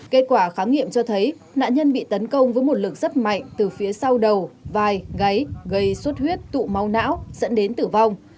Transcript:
kết quả khám nghiệm cho thấy nạn nhân bị tấn công với một lực rất mạnh từ phía sau đầu vài gáy gây suốt huyết tụ máu não dẫn đến tử vong